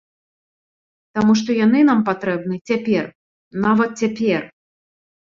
Таму што яны нам патрэбны цяпер, нават цяпер.